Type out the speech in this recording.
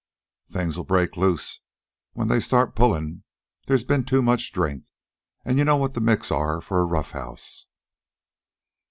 "Things'll break loose when they start pullin'. They's been too much drink, an' you know what the Micks are for a rough house."